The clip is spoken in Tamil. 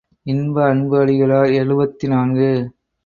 இன்ப அன்பு அடிகளார் எழுபத்து நான்கு.